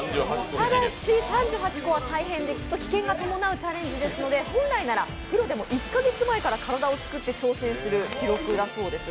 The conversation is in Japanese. ただし、３８個は大変で危険が伴うチャレンジですので、本来ならプロでも１カ月前から体を作って挑戦する記録だそうです。